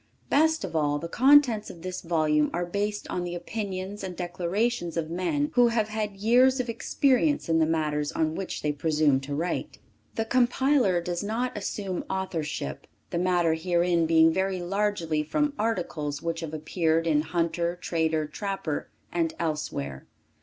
Best of all, the contents of this volume are based on the opinions and declarations of men who have had years of experience in the matters on which they presume to write. The Compiler does not assume authorship, the matter herein being very largely from articles which have appeared in Hunter Trader Trapper and elsewhere.